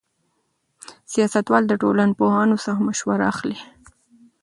سیاستوال له ټولنپوهانو څخه مشوره اخلي.